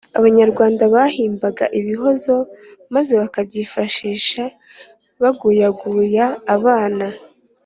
abanyarwanda bahimbaga ibihozo maze bakabyifashisha baguyaguya abana